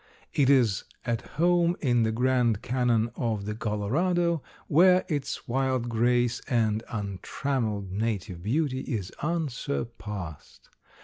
It is at home in the Grand Canon of the Colorado, where its wild grace and untrammeled native beauty is unsurpassed.